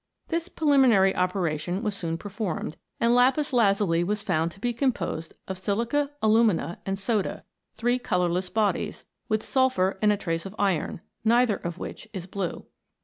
This preliminary operation was soon performed, and lapis lazuli was found to be composed of silica, alu mina, and soda, three colourless bodies, with sul phur and a trace of iron, neither of which is blue.